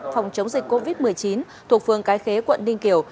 phòng chống dịch covid một mươi chín thuộc phường cái khế quận ninh kiều